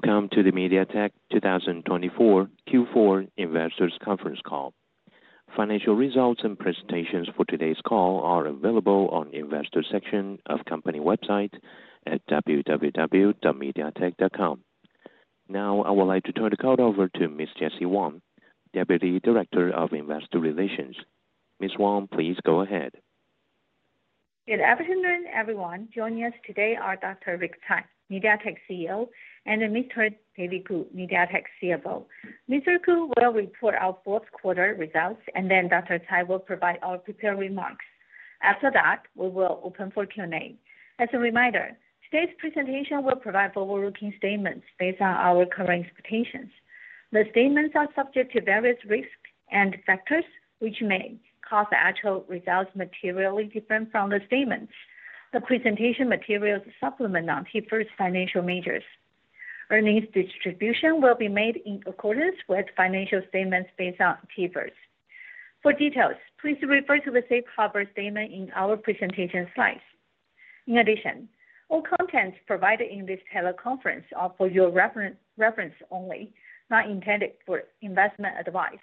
Welcome to the MediaTek 2024 Q4 Investors Conference Call. Financial results and presentations for today's call are available on the Investor section of the company website at www.mediatek.com. Now, I would like to turn the call over to Ms. Jessie Wang, Deputy Director of Investor Relations. Ms. Wang, please go ahead. Good afternoon, everyone. Joining us today are Dr. Rick Tsai, MediaTek CEO, and Mr. David Ku, MediaTek CFO. Mr. Ku will report our fourth quarter results, and then Dr Tsai will provide our prepared remarks. After that, we will open for Q&A. As a reminder, today's presentation will provide forward-looking statements based on our current expectations. The statements are subject to various risks and factors, which may cause the actual results to be materially different from the statements. The presentation materials supplement on T-IFRS financial measures. Earnings distribution will be made in accordance with financial statements based on T-IFRS. For details, please refer to the safe harbor statement in our presentation slides. In addition, all contents provided in this teleconference are for your reference only, not intended for investment advice.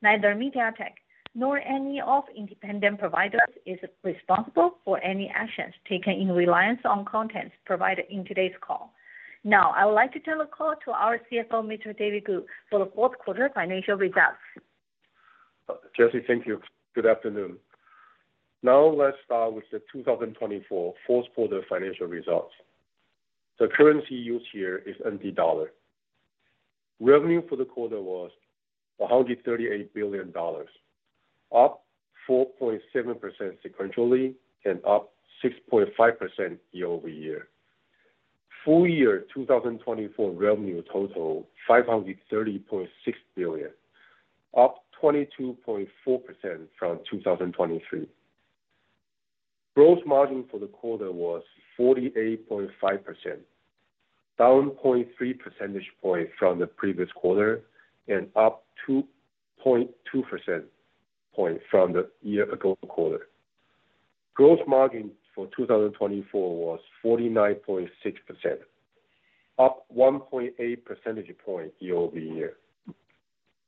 Neither MediaTek nor any of the independent providers is responsible for any actions taken in reliance on contents provided in today's call. Now, I would like to turn the call to our CFO, Mr. David Ku, for the fourth quarter financial results. Jessie, thank you. Good afternoon. Now, let's start with the 2024 fourth quarter financial results. The currency used here is NT dollar. Revenue for the quarter was 138 billion dollars, up 4.7% sequentially and up 6.5% year-over-year. Full-year 2024 revenue totaled 530.6 billion, up 22.4% from 2023. Gross margin for the quarter was 48.5%, down 0.3 percentage points from the previous quarter and up 2.2% from the year-ago quarter. Gross margin for 2024 was 49.6%, up 1.8 percentage points year-over-year.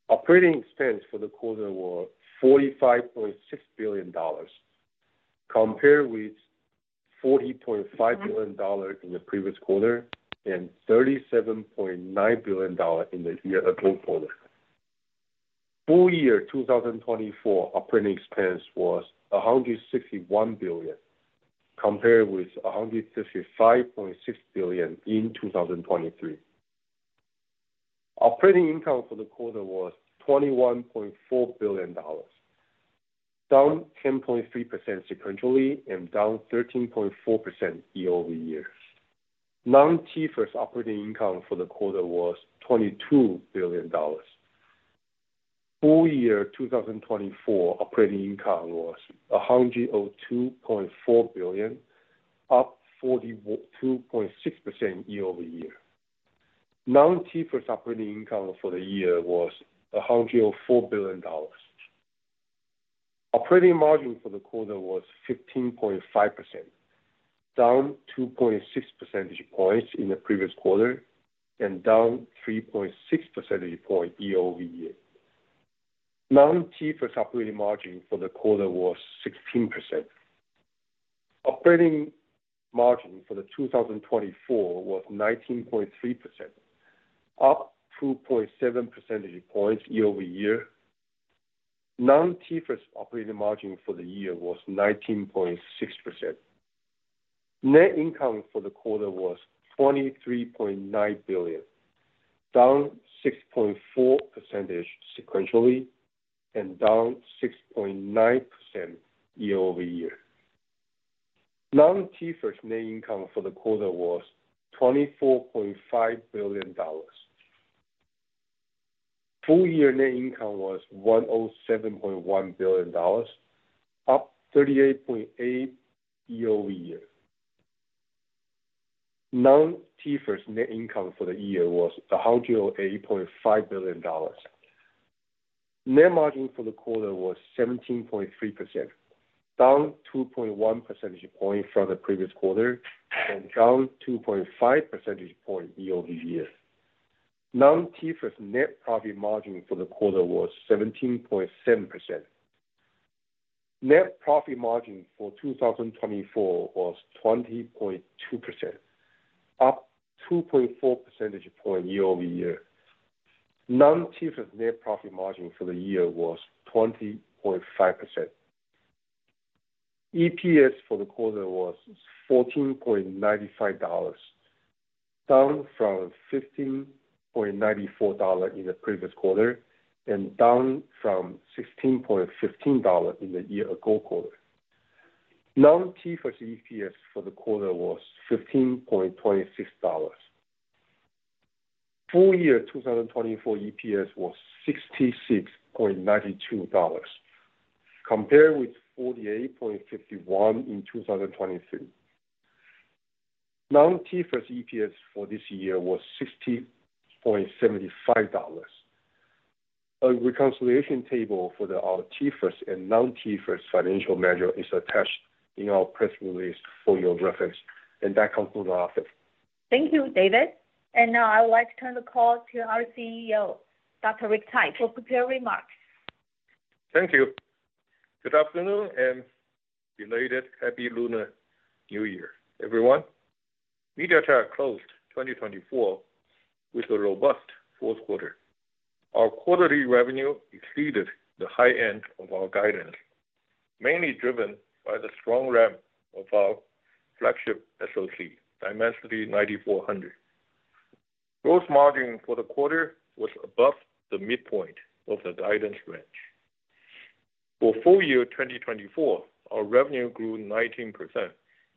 Operating expense for the quarter was 45.6 billion dollars, compared with 40.5 billion dollars in the previous quarter and 37.9 billion dollars in the year-ago quarter. Full-year 2024 operating expense was 161 billion, compared with 155.6 billion in 2023. Operating income for the quarter was 21.4 billion dollars, down 10.3% sequentially and down 13.4% year-over-year. Non-TIFRS operating income for the quarter was 22 billion dollars. full-year 2024 operating income was 102.4 billion, up 42.6% year-over-year. Non-TIFRS operating income for the year was 104 billion dollars. Operating margin for the quarter was 15.5%, down 2.6 percentage points in the previous quarter and down 3.6 percentage points year-over-year. Non-TIFRS operating margin for the quarter was 16%. Operating margin for the 2024 was 19.3%, up 2.7 percentage points year-over-year. Non-TIFRS operating margin for the year was 19.6%. Net income for the quarter was 23.9 billion, down 6.4 percentage points sequentially and down 6.9% year-over-year. Non-TIFRS net income for the quarter was 24.5 billion dollars. Full-year net income was 107.1 billion dollars, up 38.8% year-over-year. Non-TIFRS net income for the year was 108.5 billion dollars. Net margin for the quarter was 17.3%, down 2.1 percentage points from the previous quarter and down 2.5 percentage points year-over-year. Non-TIFRS net profit margin for the quarter was 17.7%. Net profit margin for 2024 was 20.2%, up 2.4 percentage points year-over-year. Non-TIFRS net profit margin for the year was 20.5%. EPS for the quarter was $14.95, down from $15.94 in the previous quarter and down from $16.15 in the year-ago quarter. Non-TIFRS EPS for the quarter was $15.26. Full-year 2024 EPS was $66.92, compared with $48.51 in 2023. Non-TIFRS EPS for this year was $60.75. A reconciliation table for our T-IFRS and non-TIFRS financial measure is attached in our press release for your reference, and that concludes our effort. Thank you, David. And now, I would like to turn the call to our CEO, Dr. Rick Tsai, for prepared remarks. Thank you. Good afternoon and belated Happy Lunar New Year, everyone. MediaTek closed 2024 with a robust fourth quarter. Our quarterly revenue exceeded the high end of our guidance, mainly driven by the strong ramp of our flagship SoC, Dimensity 9400. Gross margin for the quarter was above the midpoint of the guidance range. For full-year 2024, our revenue grew 19%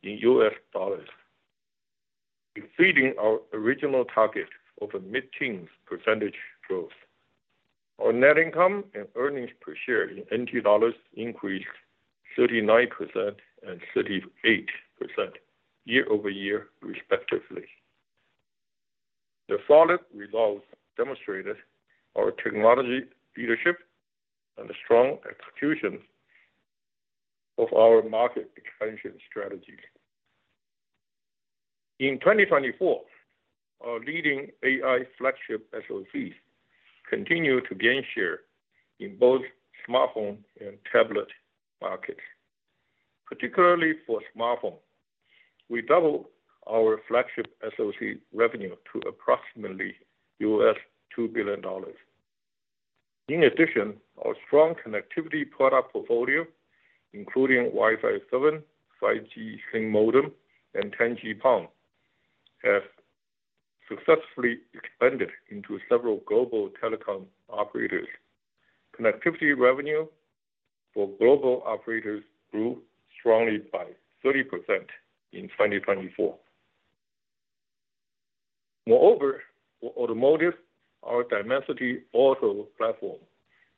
in U.S. dollars, exceeding our original target of a mid-teens percentage growth. Our net income and earnings per share in NT dollars increased 39% and 38% year-over-year, respectively. The solid results demonstrated our technology leadership and the strong execution of our market expansion strategy. In 2024, our leading AI flagship SoCs continue to gain share in both smartphone and tablet markets. Particularly for smartphones, we doubled our flagship SoC revenue to approximately $2 billion. In addition, our strong connectivity product portfolio, including Wi-Fi 7, 5G Slim modem, and 10G-PON, has successfully expanded into several global telecom operators. Connectivity revenue for global operators grew strongly by 30% in 2024. Moreover, for automotive, our Dimensity Auto platform,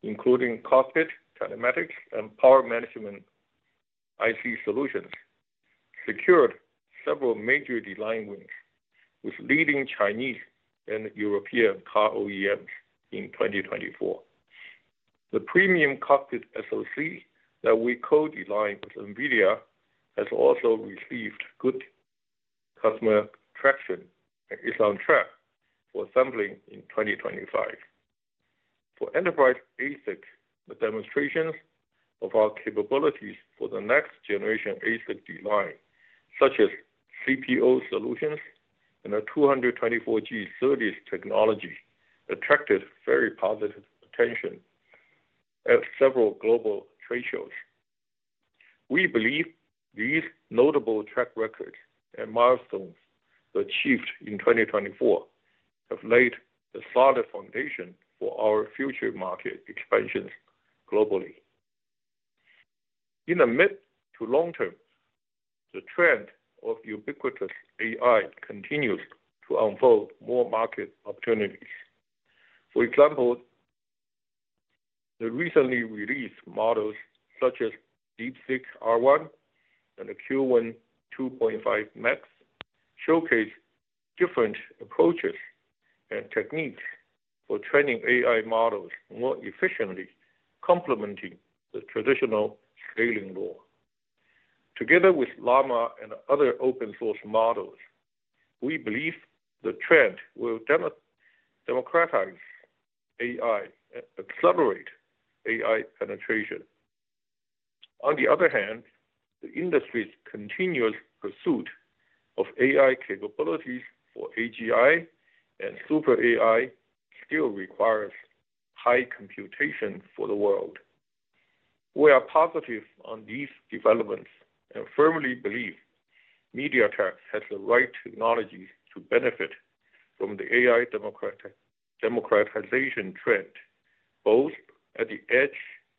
including cockpit, telematics, and power management IC solutions, secured several major design wins, with leading Chinese and European car OEMs in 2024. The premium cockpit SoC that we co-designed with NVIDIA has also received good customer traction and is on track for assembly in 2025. For enterprise ASICs, the demonstrations of our capabilities for the next generation ASIC design, such as CPO solutions and a 224G SerDes technology, attracted very positive attention at several global trade shows. We believe these notable track records and milestones achieved in 2024 have laid the solid foundation for our future market expansions globally. In the mid to long term, the trend of ubiquitous AI continues to unfold more market opportunities. For example, the recently released models such as DeepSeek R1 and the Qwen 2.5 Max showcase different approaches and techniques for training AI models more efficiently, complementing the traditional scaling law. Together with Llama and other open-source models, we believe the trend will democratize AI and accelerate AI penetration. On the other hand, the industry's continuous pursuit of AI capabilities for AGI and super AI still requires high computation for the world. We are positive on these developments and firmly believe MediaTek has the right technology to benefit from the AI democratization trend, both at the edge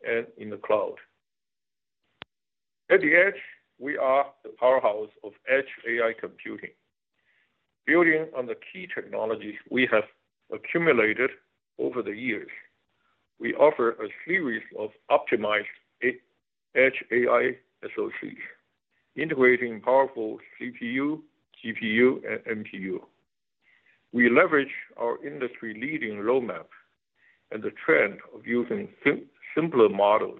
and in the cloud. At the edge, we are the powerhouse of edge AI computing. Building on the key technologies we have accumulated over the years, we offer a series of optimized edge AI SoCs, integrating powerful CPU, GPU, and NPU. We leverage our industry-leading roadmap and the trend of using simpler models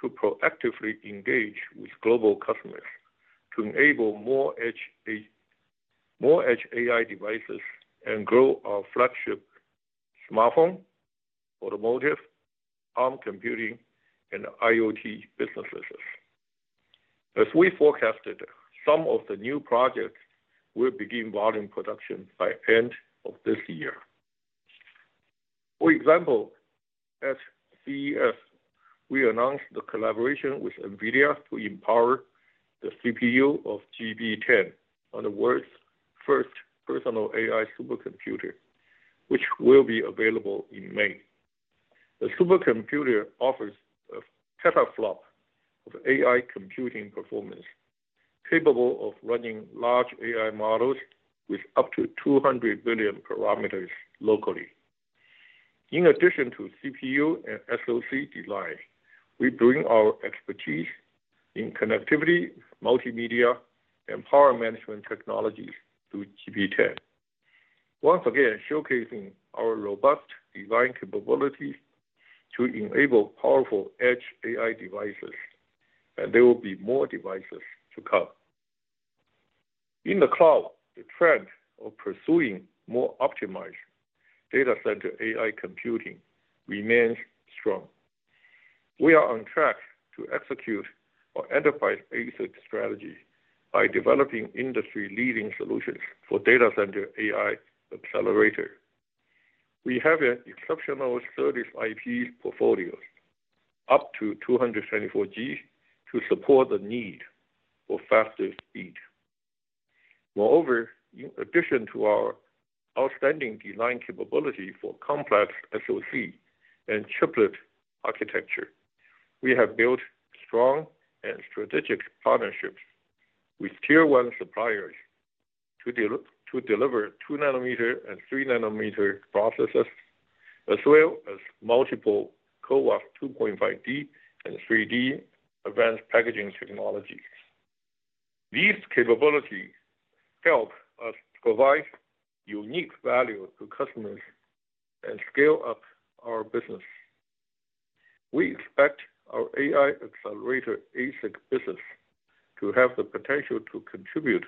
to proactively engage with global customers to enable more edge AI devices and grow our flagship smartphone, automotive, Arm computing, and IoT businesses. As we forecasted, some of the new projects will begin volume production by the end of this year. For example, at CES, we announced the collaboration with NVIDIA to empower the CPU of GB10 on the world's first personal AI supercomputer, which will be available in May. The supercomputer offers a petaflop of AI computing performance, capable of running large AI models with up to 200 billion parameters locally. In addition to CPU and SoC design, we bring our expertise in connectivity, multimedia, and power management technologies to GB10, once again showcasing our robust design capabilities to enable powerful edge AI devices, and there will be more devices to come. In the cloud, the trend of pursuing more optimized data center AI computing remains strong. We are on track to execute our enterprise ASIC strategy by developing industry-leading solutions for data center AI accelerators. We have an exceptional service IP portfolio, up to 224G, to support the need for faster speed. Moreover, in addition to our outstanding design capability for complex SoC and chiplet architecture, we have built strong and strategic partnerships with tier-one suppliers to deliver 2 nm and 3 nm processes, as well as multiple CoWoS 2.5D and 3D advanced packaging technologies. These capabilities help us provide unique value to customers and scale up our business. We expect our AI accelerator ASIC business to have the potential to contribute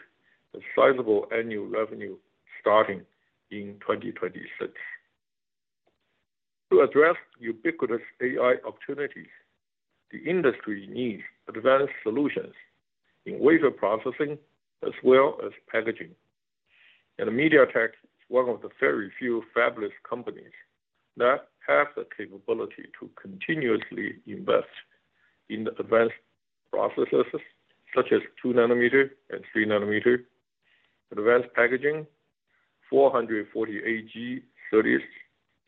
a sizable annual revenue starting in 2026. To address ubiquitous AI opportunities, the industry needs advanced solutions in wafer processing as well as packaging, and MediaTek is one of the very few fabless companies that have the capability to continuously invest in advanced processes, such as 2 nm and 3 nm advanced packaging, 448G SerDes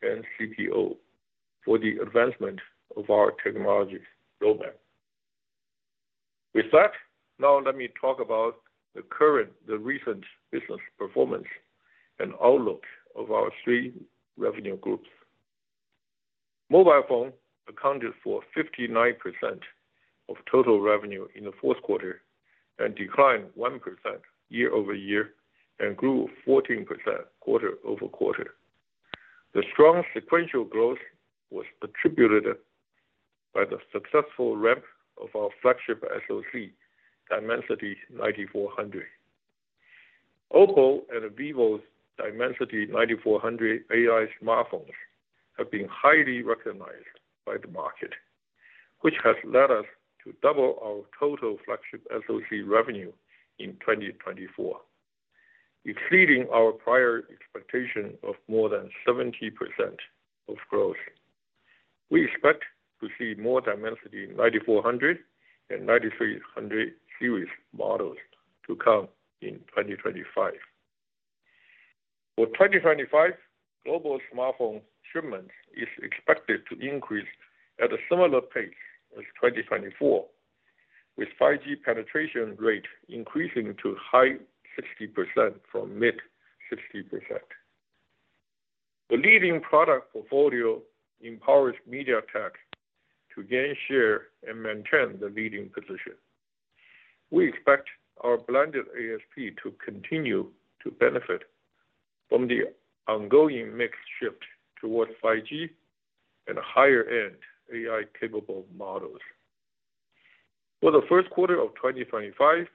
and CPO, for the advancement of our technology roadmap. With that, now let me talk about the recent business performance and outlook of our three revenue groups. Mobile phone accounted for 59% of total revenue in the fourth quarter and declined 1% year-over-year and grew 14% quarter-over-quarter. The strong sequential growth was attributed by the successful ramp of our flagship SoC, Dimensity 9400. OPPO and vivo's Dimensity 9400 AI smartphones have been highly recognized by the market, which has led us to double our total flagship SoC revenue in 2024, exceeding our prior expectation of more than 70% of growth. We expect to see more Dimensity 9400 and 9300 series models to come in 2025. For 2025, global smartphone shipments are expected to increase at a similar pace as 2024, with 5G penetration rate increasing to high-60% from mid-60%. The leading product portfolio empowers MediaTek to gain share and maintain the leading position. We expect our blended ASP to continue to benefit from the ongoing mixed shift towards 5G and higher-end AI-capable models. For the first quarter of 2025,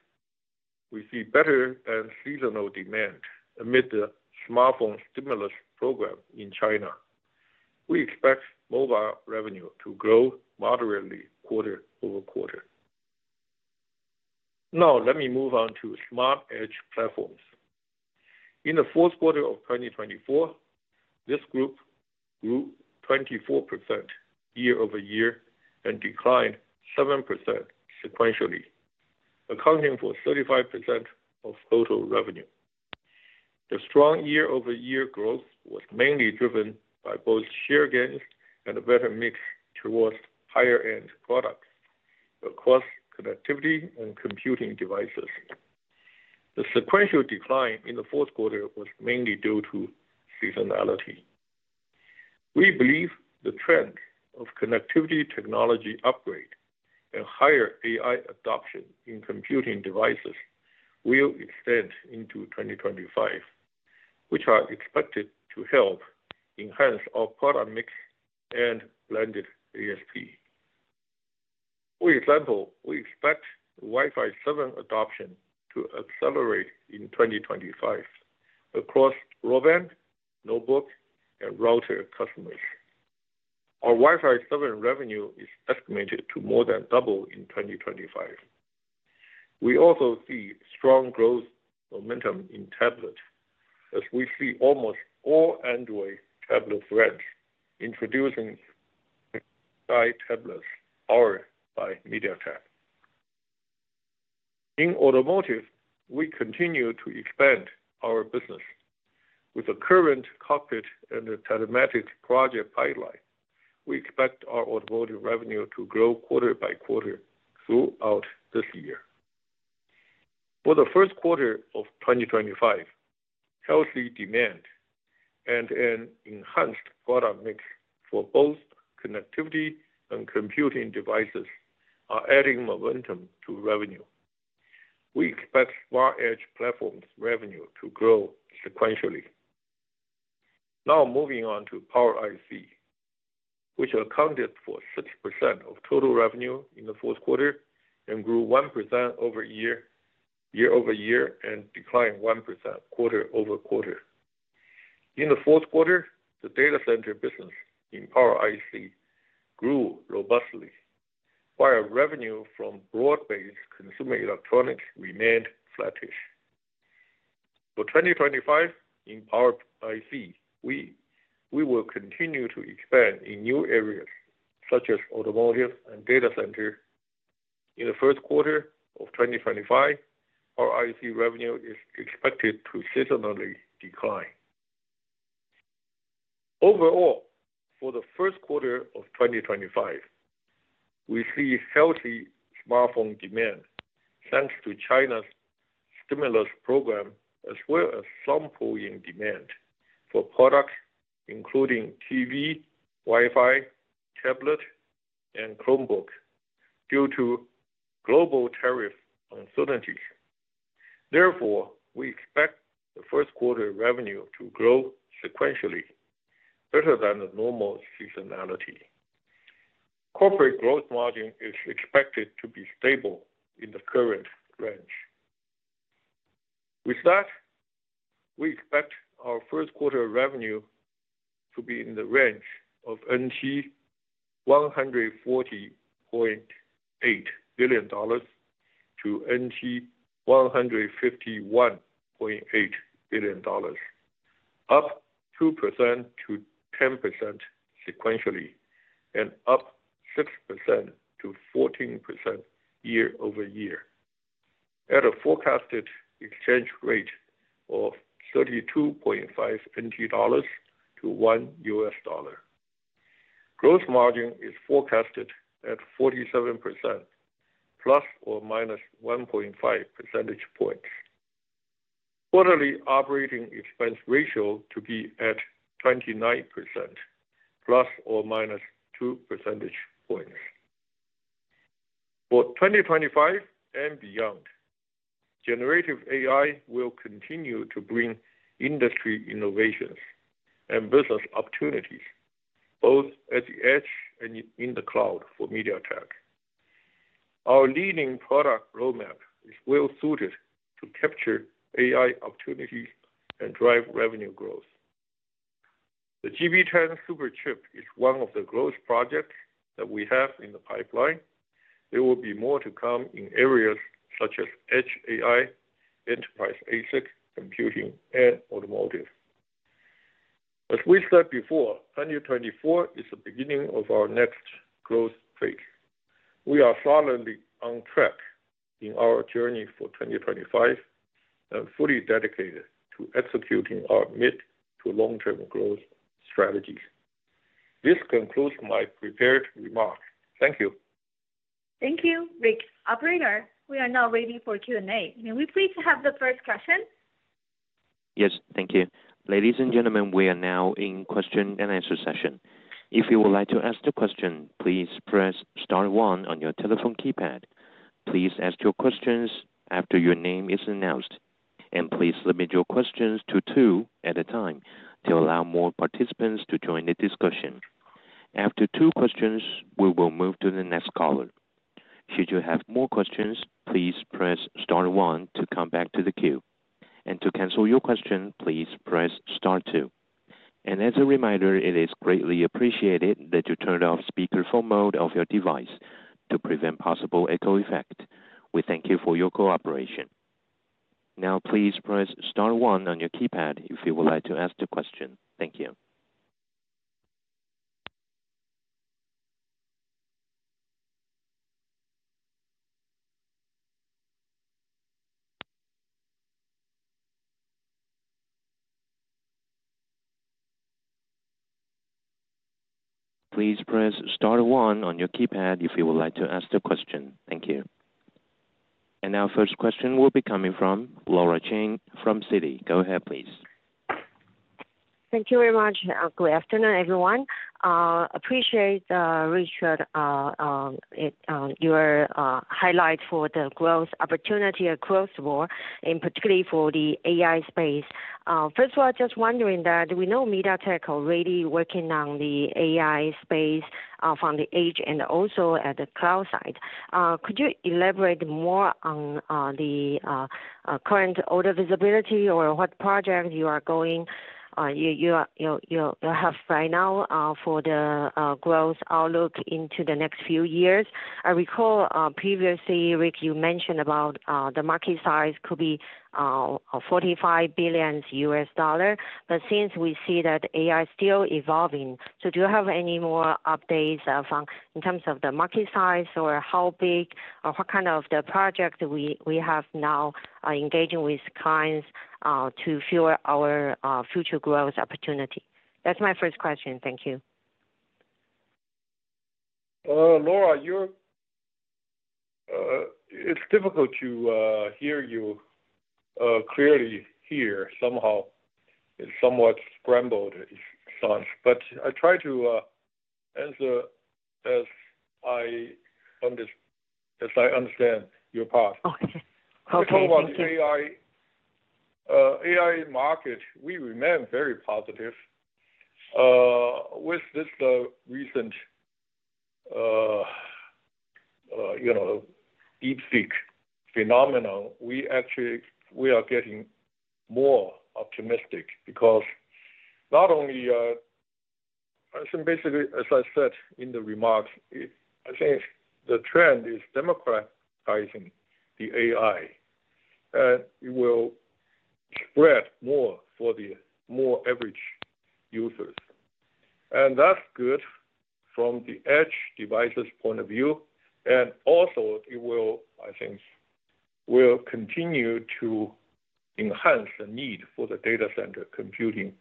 we see better than seasonal demand amid the smartphone stimulus program in China. We expect mobile revenue to grow moderately quarter-over-quarter. Now, let me move on to smart edge platforms. In the fourth quarter of 2024, this group grew 24% year-over-year and declined 7% sequentially, accounting for 35% of total revenue. The strong year-over-year growth was mainly driven by both share gains and a better mix towards higher-end products across connectivity and computing devices. The sequential decline in the fourth quarter was mainly due to seasonality. We believe the trend of connectivity technology upgrade and higher AI adoption in computing devices will extend into 2025, which are expected to help enhance our product mix and blended ASP. For example, we expect Wi-Fi 7 adoption to accelerate in 2025 across broadband, notebook, and router customers. Our Wi-Fi 7 revenue is estimated to more than double in 2025. We also see strong growth momentum in tablets, as we see almost all Android tablet brands introducing AI tablets powered by MediaTek. In automotive, we continue to expand our business. With the current cockpit and the telematics project pipeline, we expect our automotive revenue to grow quarter by quarter throughout this year. For the first quarter of 2025, healthy demand and an enhanced product mix for both connectivity and computing devices are adding momentum to revenue. We expect smart edge platforms' revenue to grow sequentially. Now, moving on to Power IC, which accounted for 6% of total revenue in the fourth quarter and grew 1% year-over-year and declined 1% quarter-over-quarter. In the fourth quarter, the data center business in Power IC grew robustly, while revenue from broad-based consumer electronics remained flattish. For 2025, in Power IC, we will continue to expand in new areas such as automotive and data center. In the first quarter of 2025, Power IC revenue is expected to seasonally decline. Overall, for the first quarter of 2025, we see healthy smartphone demand thanks to China's stimulus program, as well as slumping demand for products including TV, Wi-Fi, tablet, and Chromebook due to global tariff uncertainties. Therefore, we expect the first quarter revenue to grow sequentially, better than the normal seasonality. Corporate gross margin is expected to be stable in the current range. With that, we expect our first quarter revenue to be in the range of 140.8 billion dollars to 151.8 billion dollars, up 2%-10% sequentially and up 6%-14% year-over-year at a forecasted exchange rate of 32.5 NT dollars to $1. Gross margin is forecasted at 47%±1.5 percentage points. Quarterly operating expense ratio to be at 29%±2 percentage points. For 2025 and beyond, generative AI will continue to bring industry innovations and business opportunities, both at the edge and in the cloud for MediaTek. Our leading product roadmap is well-suited to capture AI opportunities and drive revenue growth. The GB10 superchip is one of the growth projects that we have in the pipeline. There will be more to come in areas such as edge AI, enterprise ASIC, computing, and automotive. As we said before, 2024 is the beginning of our next growth phase. We are solidly on track in our journey for 2025 and fully dedicated to executing our mid to long-term growth strategies. This concludes my prepared remarks. Thank you. Thank you, Rick. Operator, we are now ready for Q&A. May we please have the first question? Yes, thank you. Ladies and gentlemen, we are now in question-and-answer session. If you would like to ask the question, please press star one on your telephone keypad. Please ask your questions after your name is announced. And please limit your questions to two at a time to allow more participants to join the discussion. After two questions, we will move to the next caller. Should you have more questions, please press star one to come back to the queue. And to cancel your question, please press star two. And as a reminder, it is greatly appreciated that you turned off speakerphone mode of your device to prevent possible echo effect. We thank you for your cooperation. Now, please press star one on your keypad if you would like to ask the question. Thank you. Please press star one on your keypad if you would like to ask the question. Thank you. Our first question will be coming from Laura Chen from Citi. Go ahead, please. Thank you very much. Good afternoon, everyone. I appreciate, Rick, your highlight for the growth opportunity across the board, and particularly for the AI space. First of all, just wondering that we know MediaTek is already working on the AI space from the edge and also at the cloud side. Could you elaborate more on the current order visibility or what projects you are going to have right now for the growth outlook into the next few years? I recall previously, Rick, you mentioned about the market size could be $45 billion. But since we see that AI is still evolving, so do you have any more updates in terms of the market size or how big or what kind of projects we have now engaging with clients to fuel our future growth opportunity? That's my first question. Thank you. Laura, you're. It's difficult to hear you clearly here. Somehow, it's somewhat scrambled, it sounds. But I try to answer as I understand your part. Okay. How can I? Let's talk about the AI market. We remain very positive. With this recent DeepSeek phenomenon, we are getting more optimistic because not only. I think, basically, as I said in the remarks, I think the trend is democratizing the AI, and it will spread more for the more average users. And that's good from the edge devices point of view. And also, it will, I think, continue to enhance the need for the data center computing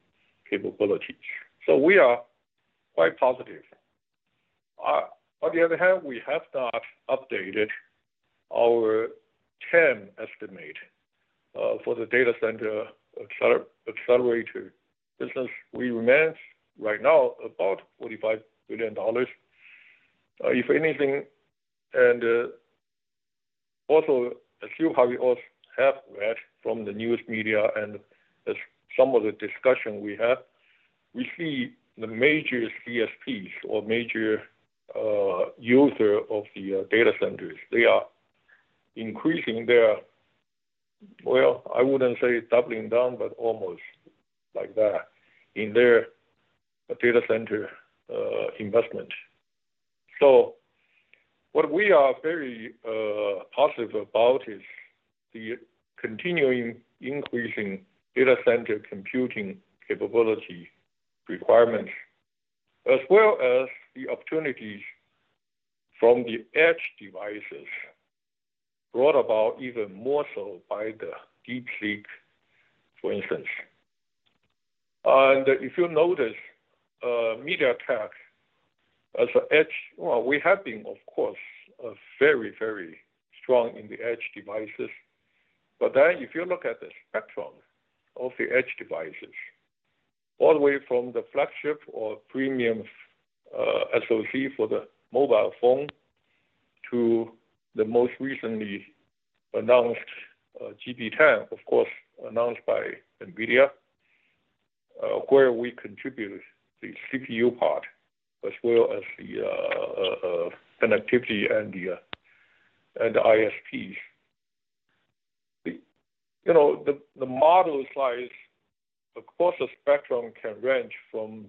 capabilities. So we are quite positive. On the other hand, we have not updated our TAM estimate for the data center accelerator business. We remain right now about $45 billion, if anything. And also, as you have read from the news media and some of the discussion we have, we see the major CSPs or major users of the data centers. They are increasing their—well, I wouldn't say doubling down, but almost like that in their data center investment. So what we are very positive about is the continuing increasing data center computing capability requirements, as well as the opportunities from the edge devices brought about even more so by the DeepSeek, for instance. If you notice, MediaTek, as an edge, well, we have been, of course, very, very strong in the edge devices. If you look at the spectrum of the edge devices, all the way from the flagship or premium SoC for the mobile phone to the most recently announced GB10, of course, announced by NVIDIA, where we contribute the CPU part as well as the connectivity and the ISPs. The model size, of course, the spectrum can range from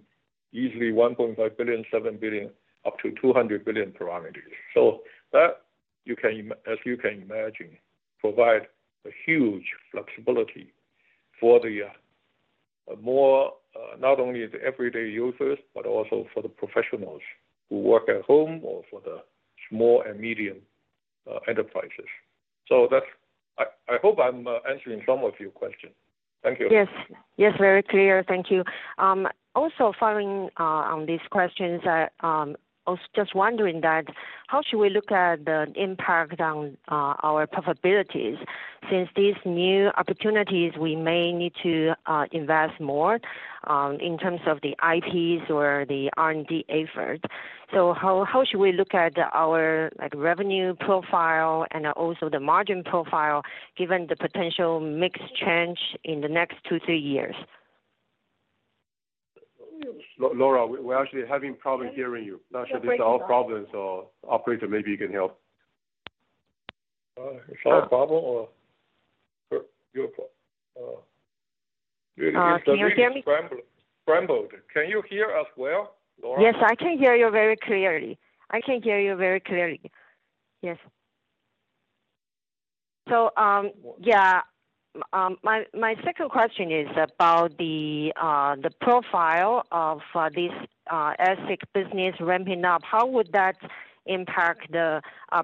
easily 1.5 billion, 7 billion, up to 200 billion parameters. That, as you can imagine, provides a huge flexibility for not only the everyday users, but also for the professionals who work at home or for the small and medium enterprises. I hope I'm answering some of your questions. Thank you. Yes. Yes, very clear. Thank you. Also, following on these questions, I was just wondering that how should we look at the impact on our profitabilities since these new opportunities we may need to invest more in terms of the IPs or the R&D effort? So how should we look at our revenue profile and also the margin profile given the potential mix change in the next two, three years? Laura, we're actually having problems hearing you. That should be our problem. So Operator, maybe you can help. Is that a problem or your—can you hear me? You're scrambled. Can you hear us well, Laura? Yes, I can hear you very clearly. I can hear you very clearly. Yes. So yeah, my second question is about the profile of this edge business ramping up. How would that impact the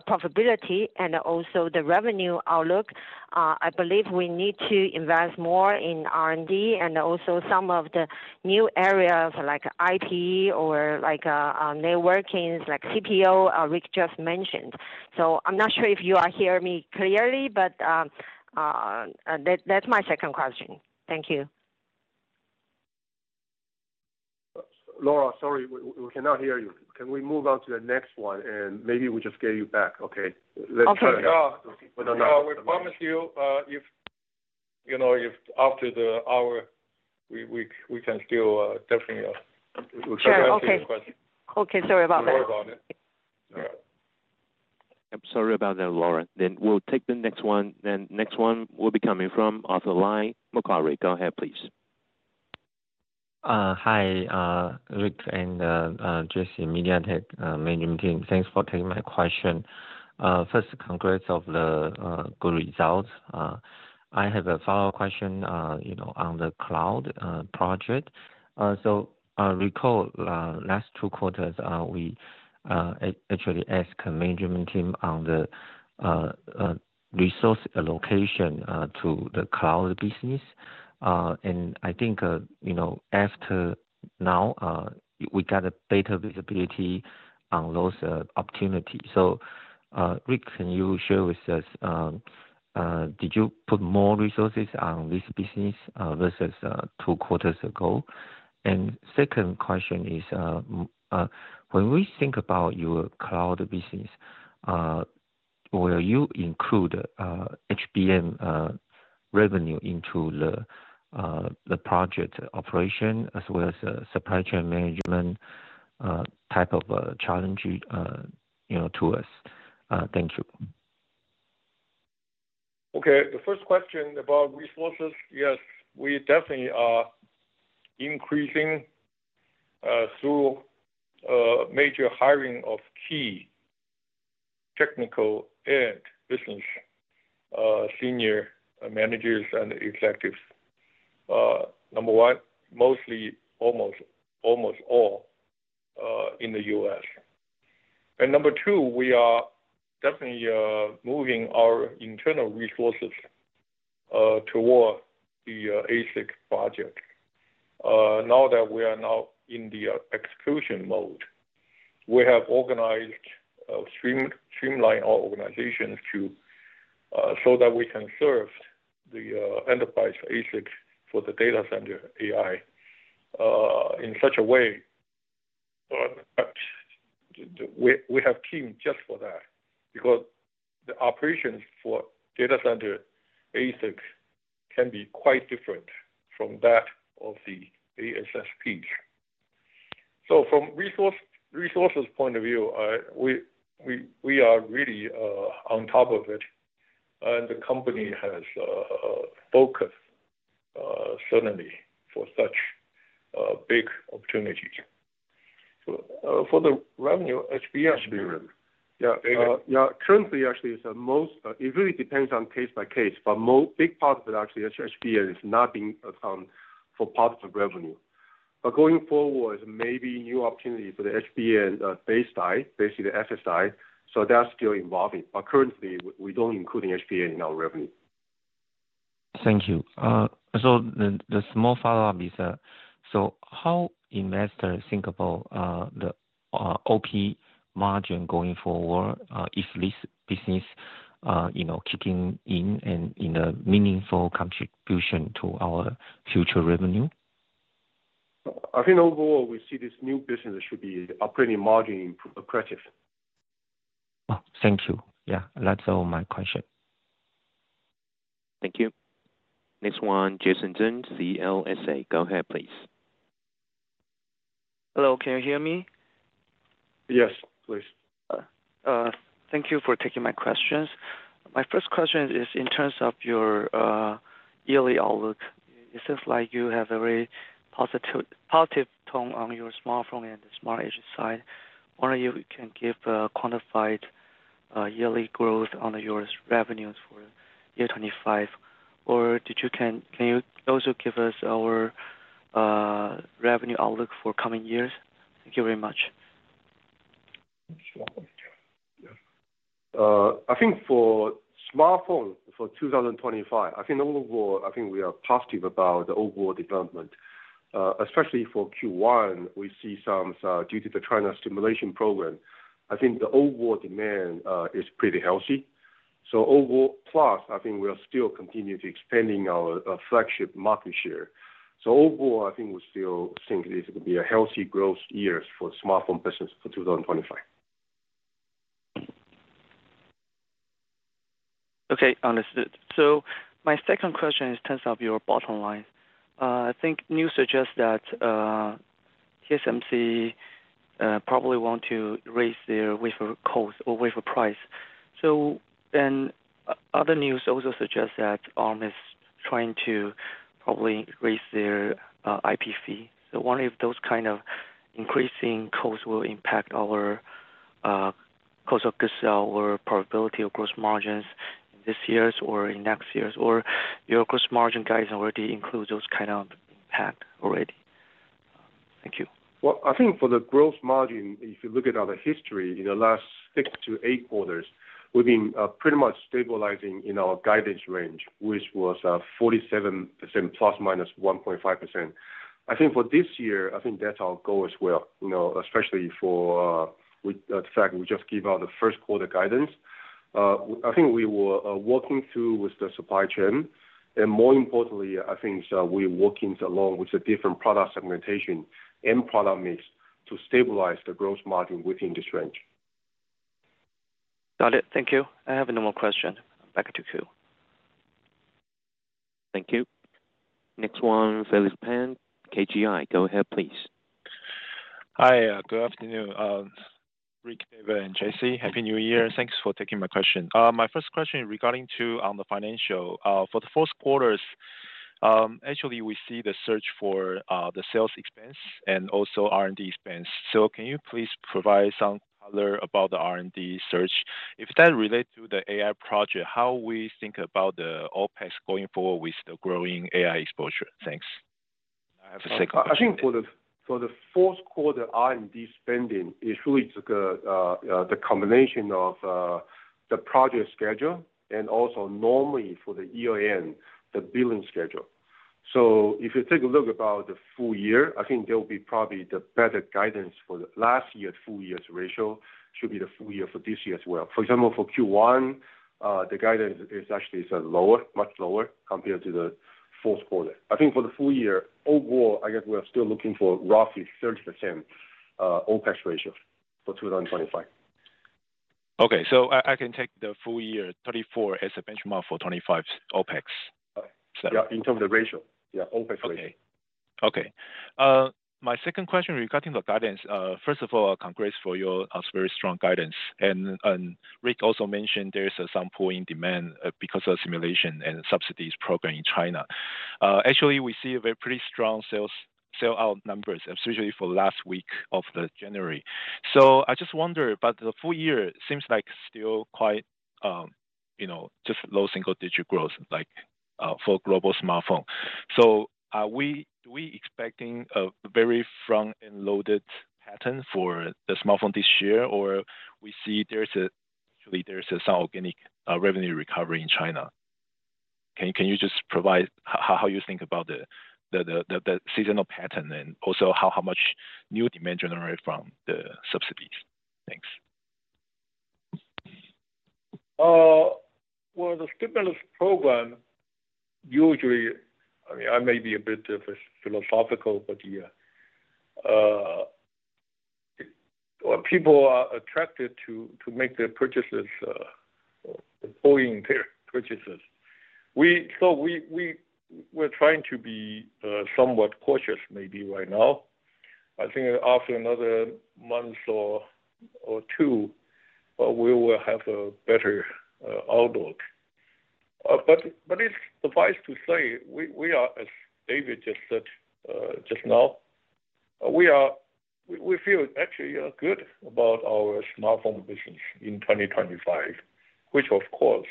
profitability and also the revenue outlook? I believe we need to invest more in R&D and also some of the new areas like IP or networking like CPO, Rick just mentioned. So I'm not sure if you are hearing me clearly, but that's my second question. Thank you. Laura, sorry, we cannot hear you. Can we move on to the next one? And maybe we just get you back, okay? Let's try again. Okay. Yeah, we promise you if after the hour, we can still definitely answer your question. Okay. Okay. Sorry about that. Sorry about it. Sorry about that, Laura. Then we'll take the next one. Then next one will be coming from Arthur Lai, Macquarie. Go ahead, please. Hi, Rick and Jessie, MediaTek management team. Thanks for taking my question. First, congrats on the good results. I have a follow-up question on the cloud project. So, recall last two quarters, we actually asked the management team on the resource allocation to the cloud business. And I think after now, we got a better visibility on those opportunities. So, Rick, can you share with us, did you put more resources on this business versus two quarters ago? And second question is, when we think about your cloud business, will you include HBM revenue into the project operation as well as supply chain management type of challenge to us? Thank you. Okay. The first question about resources, yes, we definitely are increasing through major hiring of key technical and business senior managers and executives. Number one, mostly, almost all in the U.S.. And number two, we are definitely moving our internal resources toward the ASIC project. Now that we are in the execution mode, we have organized, streamlined our organizations so that we can serve the enterprise ASIC for the data center AI in such a way that we have teamed just for that because the operations for data center ASIC can be quite different from that of the ASSPs. So from resources point of view, we are really on top of it. And the company has focused certainly for such big opportunities. For the revenue, HBM, HBM. Yeah. Yeah. Currently, actually, it really depends on case by case. But big part of it, actually, HBM is not being accounted for positive revenue. But going forward, maybe new opportunities for the HBM base side, basically the SS side, so they are still evolving. But currently, we don't include HBM in our revenue. Thank you. The small follow-up is, so how investors think about the OP margin going forward if this business kicking in and in a meaningful contribution to our future revenue? I think overall, we see this new business should be operating margin in accretive. Thank you. Yeah. That's all my question. Thank you. Next one, Jason Tsang, CLSA. Go ahead, please. Hello. Can you hear me? Yes, please. Thank you for taking my questions. My first question is in terms of your yearly outlook. It seems like you have a very positive tone on your smartphone and the smart edge side. Wonder if you can give a quantified yearly growth on your revenues for 2025, or can you also give us your revenue outlook for coming years? Thank you very much. I think for smartphone for 2025, I think overall, I think we are positive about the overall development. Especially for Q1, we see some due to the China stimulus program. I think the overall demand is pretty healthy. So overall, plus, I think we are still continuing to expand our flagship market share. So overall, I think we still think this will be a healthy growth year for smartphone business for 2025. Okay. Understood. So my second question is in terms of your bottom line. I think news suggests that TSMC probably want to raise their wafer cost or wafer price. And other news also suggests that Arm is trying to probably raise their IP fee. So I wonder if those kind of increasing costs will impact our cost of goods or profitability or gross margins this year or in next years, or your gross margin guidance already includes those kind of impact already. Thank you. I think for the gross margin, if you look at our history in the last six to eight quarters, we've been pretty much stabilizing in our guidance range, which was 47%±1.5%. I think for this year, I think that's our goal as well, especially for the fact we just gave out the first quarter guidance. I think we were working through with the supply chain. And more importantly, I think we're working along with the different product segmentation and product mix to stabilize the gross margin within this range. Got it. Thank you. I have no more question. Back to you. Thank you. Next one, Felix Pan, KGI. Go ahead, please. Hi. Good afternoon, Rick, David, and Jessie. Happy New Year. Thanks for taking my question. My first question regarding to the financial. For the fourth quarter, actually, we see the surge in the sales expense and also R&D expense. So can you please provide some color about the R&D surge? If that relates to the AI project, how we think about the OpEx going forward with the growing AI exposure? Thanks. I have a second question. I think for the fourth quarter, R&D spending is really the combination of the project schedule and also normally for the year-end, the billing schedule. So if you take a look about the full year, I think there will be probably the better guidance for the last year's full-year's ratio should be the full-year for this year as well. For example, for Q1, the guidance is actually much lower compared to the fourth quarter. I think for the full year, overall, I guess we are still looking for roughly 30% OpEx ratio for 2025. Okay. So I can take the full-year 2024 as a benchmark for 2025's OpEx. Yeah, in terms of the ratio. Yeah, OpEx ratio. Okay. My second question regarding the guidance, first of all, congrats for your very strong guidance. And Rick also mentioned there's some pouring demand because of stimulus and subsidies program in China. Actually, we see a pretty strong sell-out numbers, especially for last week of January. So I just wonder, but the full year seems like still quite just low single-digit growth for global smartphone. So are we expecting a very front-end loaded pattern for the smartphone this year, or we see actually there's some organic revenue recovery in China? Can you just provide how you think about the seasonal pattern and also how much new demand generated from the subsidies? Thanks. The stimulus program usually, I mean, I may be a bit philosophical, but people are attracted to make their purchases, postponing their purchases. So we're trying to be somewhat cautious maybe right now. I think after another month or two, we will have a better outlook. But it suffices to say, as David just said just now, we feel actually good about our smartphone business in 2025, which of course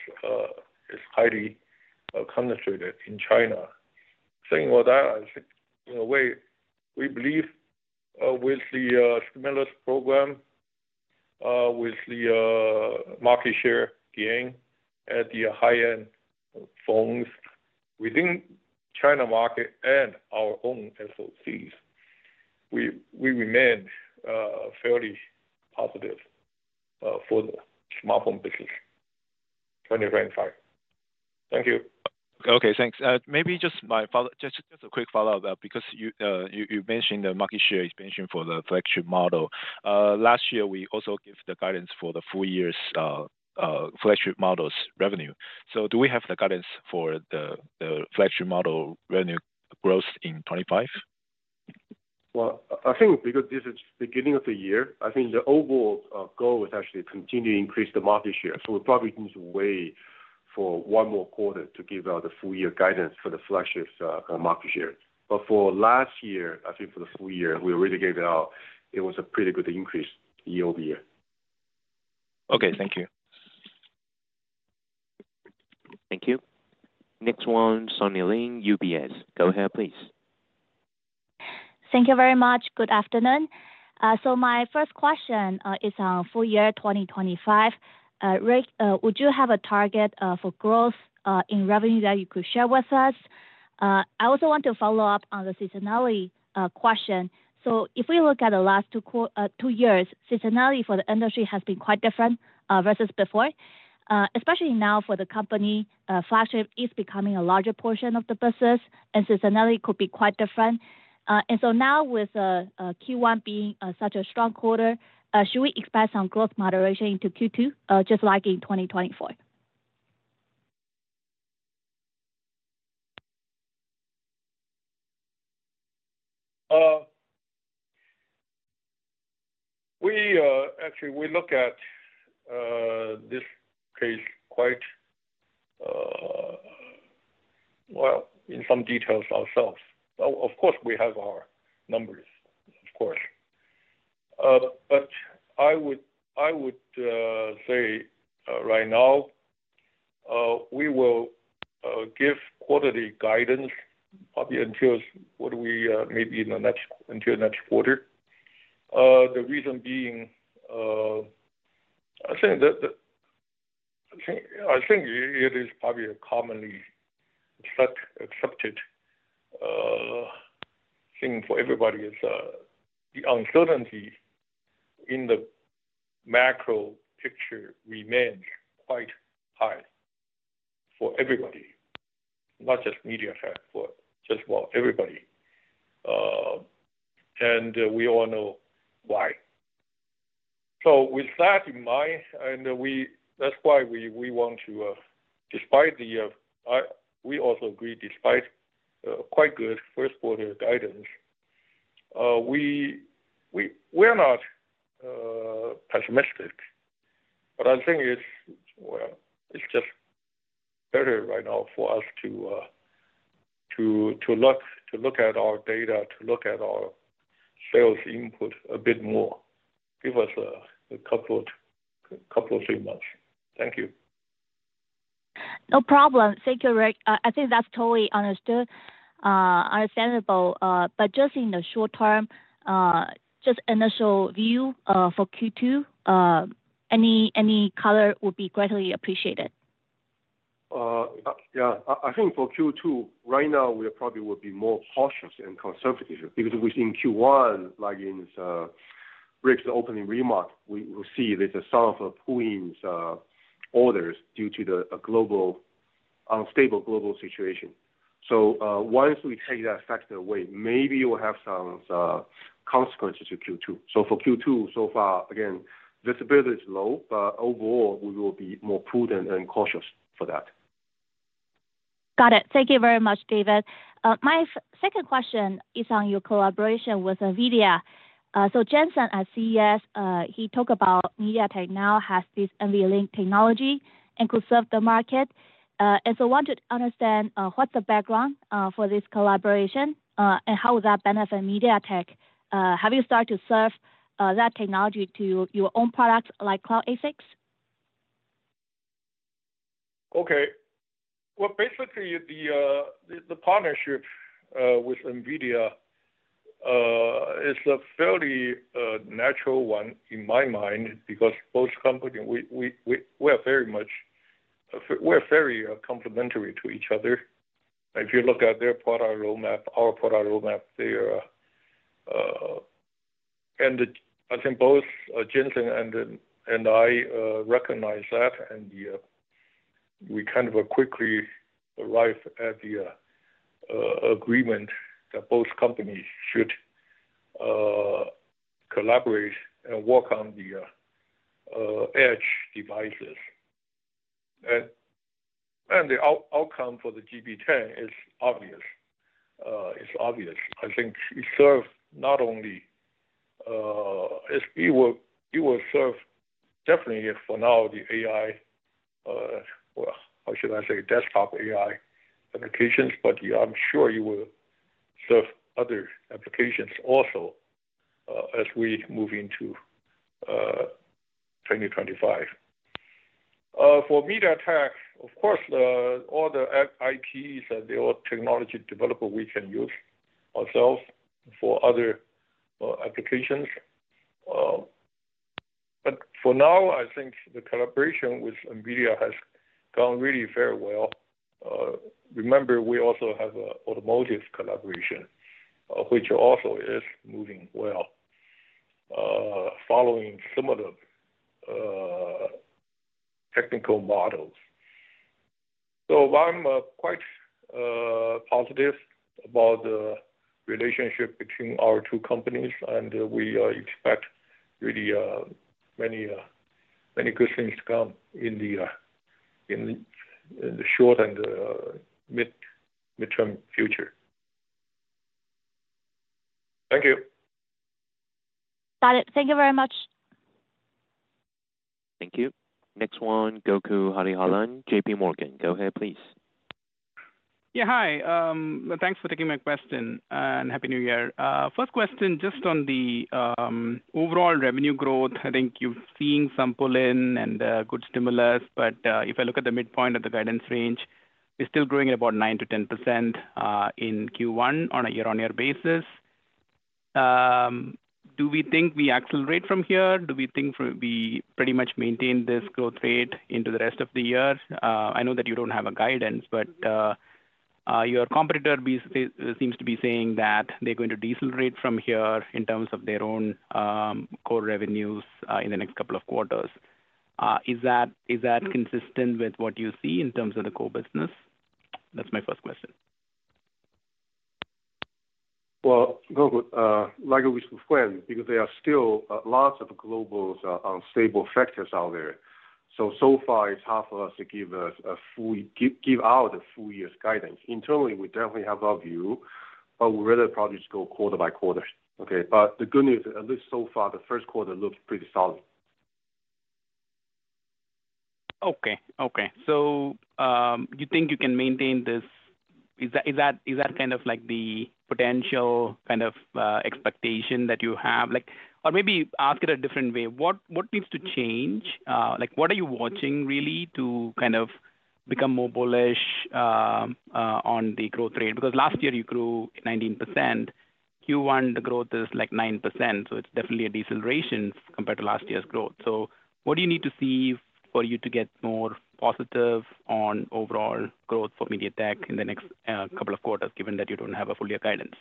is highly concentrated in China. Saying all that, I think we believe with the stimulus program, with the market share gain at the high-end phones within China market and our own SoCs, we remain fairly positive for the smartphone business 2025. Thank you. Okay. Thanks. Maybe just a quick follow-up because you mentioned the market share expansion for the flagship model. Last year, we also gave the guidance for the full-year's flagship model's revenue. So do we have the guidance for the flagship model revenue growth in 2025? Well, I think because this is the beginning of the year, I think the overall goal is actually to continue to increase the market share. So we probably need to wait for one more quarter to give out the full-year guidance for the flagship market share. But for last year, I think for the full year, we already gave it out. It was a pretty good increase year-over-year. Okay. Thank you. Thank you. Next one, Sunny Lin, UBS. Go ahead, please. Thank you very much. Good afternoon. So my first question is on full-year 2025. Rick, would you have a target for growth in revenue that you could share with us? I also want to follow up on the seasonality question. If we look at the last two years, seasonality for the industry has been quite different versus before. Especially now for the company, flagship is becoming a larger portion of the business, and seasonality could be quite different. And so now with Q1 being such a strong quarter, should we expect some growth moderation into Q2 just like in 2024? Actually, we look at this case quite well in some details ourselves. Of course, we have our numbers, of course. But I would say right now, we will give quarterly guidance, probably until maybe until next quarter. The reason being, I think it is probably a commonly accepted thing for everybody is the uncertainty in the macro picture remains quite high for everybody, not just MediaTek, but just about everybody. And we all know why. So with that in mind, and that's why we want to, despite the we also agree, despite quite good first-quarter guidance, we are not pessimistic. But I think it's just better right now for us to look at our data, to look at our sales input a bit more. Give us a couple of three months. Thank you. No problem. Thank you, Rick. I think that's totally understandable. But just in the short term, just initial view for Q2, any color would be greatly appreciated. Yeah. I think for Q2, right now, we probably will be more cautious and conservative. Because within Q1, like in Rick's opening remark, we will see there's a sign of a pulling orders due to the unstable global situation. So once we take that factor away, maybe we'll have some consequences to Q2. So for Q2, so far, again, visibility is low, but overall, we will be more prudent and cautious for that. Got it. Thank you very much, David. My second question is on your collaboration with NVIDIA. So Jensen at CES, he talked about MediaTek now has this NVLink technology and could serve the market. And so I want to understand what's the background for this collaboration and how would that benefit MediaTek? Have you started to serve that technology to your own products like cloud ASICs? Okay. Well, basically, the partnership with NVIDIA is a fairly natural one in my mind because both companies, we are very complementary to each other. If you look at their product roadmap, our product roadmap, and I think both Jensen and I recognize that, and we kind of quickly arrived at the agreement that both companies should collaborate and work on the edge devices. And the outcome for the GB10 is obvious. It's obvious. I think it serves not only it will serve definitely for now the AI, how should I say, desktop AI applications, but I'm sure it will serve other applications also as we move into 2025. For MediaTek, of course, all the IPs and their technology developer, we can use ourselves for other applications. But for now, I think the collaboration with NVIDIA has gone really very well. Remember, we also have an automotive collaboration, which also is moving well following similar technical models. So I'm quite positive about the relationship between our two companies, and we expect really many good things to come in the short and midterm future. Thank you. Got it. Thank you very much. Thank you. Next one, Gokul Hariharan, JPMorgan. Go ahead, please. Yeah. Hi. Thanks for taking my question and Happy New Year. First question, just on the overall revenue growth, I think you've seen some pull-in and good stimulus, but if I look at the midpoint of the guidance range, it's still growing at about 9%-10% in Q1 on a year-on-year basis. Do we think we accelerate from here? Do we think we pretty much maintain this growth rate into the rest of the year? I know that you don't have a guidance, but your competitor seems to be saying that they're going to decelerate from here in terms of their own core revenues in the next couple of quarters. Is that consistent with what you see in terms of the core business? That's my first question. Like we suspect, because there are still lots of global unstable factors out there. So far, it's hard for us to give out a full year's guidance. Internally, we definitely have our view, but we'd rather probably just go quarter by quarter. Okay. But the good news is, at least so far, the first quarter looks pretty solid. Okay. Okay. So you think you can maintain this? Is that kind of the potential kind of expectation that you have? Or maybe ask it a different way. What needs to change? What are you watching really to kind of become more bullish on the growth rate? Because last year, you grew 19%. Q1, the growth is like 9%. So it's definitely a deceleration compared to last year's growth. So what do you need to see for you to get more positive on overall growth for MediaTek in the next couple of quarters, given that you don't have a full year guidance?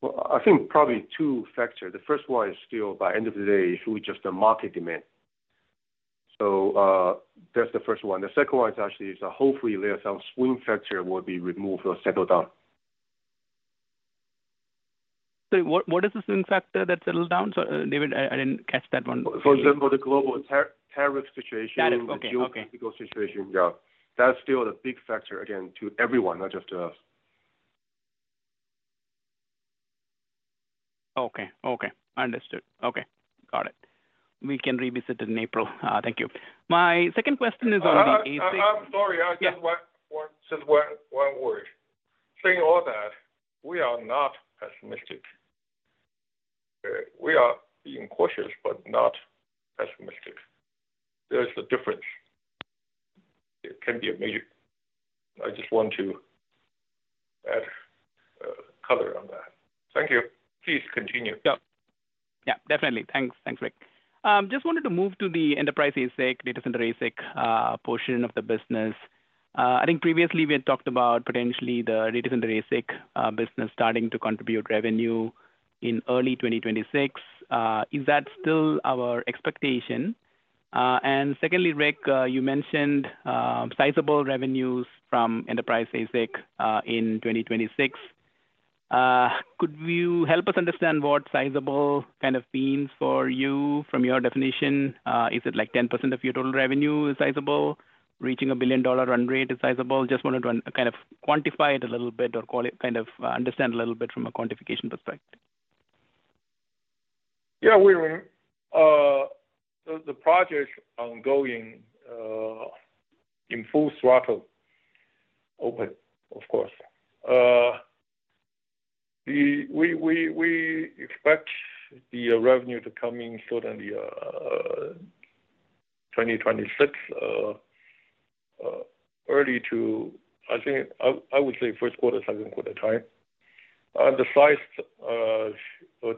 Well, I think probably two factors. The first one is still, by end of the day, it's really just the market demand. So that's the first one. The second one is actually hopefully some swing factor will be removed or settled down. So what is the swing factor that settled down? David, I didn't catch that one. For example, the global tariff situation. That is okay. The geopolitical situation, yeah. That's still a big factor, again, to everyone, not just to us. Okay. Okay. Understood. Okay. Got it. We can revisit it in April. Thank you. My second question is on the ASIC. I'm sorry. Just one word. Saying all that, we are not pessimistic. We are being cautious, but not pessimistic. There's a difference. It can be a major. I just want to add color on that. Thank you. Please continue. Yeah. Yeah. Definitely. Thanks, Rick. Just wanted to move to the enterprise ASIC, data center ASIC portion of the business. I think previously, we had talked about potentially the data center ASIC business starting to contribute revenue in early 2026. Is that still our expectation? And secondly, Rick, you mentioned sizable revenues from enterprise ASIC in 2026. Could you help us understand what sizable kind of means for you from your definition? Is it like 10% of your total revenue is sizable? Reaching a $1 billion run rate is sizable? Just wanted to kind of quantify it a little bit or kind of understand a little bit from a quantification perspective. Yeah. The project ongoing in full throttle, open, of course. We expect the revenue to come in certainly 2026, early to, I think I would say first quarter, second quarter time. The size